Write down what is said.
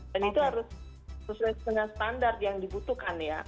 dan itu harus sesuai dengan standar yang dibutuhkan ya